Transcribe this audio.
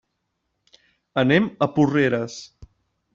Anem a Porreres.